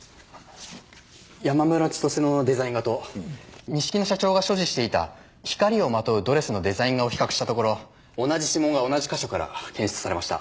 山村千歳のデザイン画と錦野社長が所持していた「光をまとうドレス」のデザイン画を比較したところ同じ指紋が同じ箇所から検出されました。